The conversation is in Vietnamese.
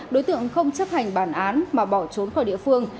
đối tượng không chấp hành bản án mà bỏ trốn khỏi địa phương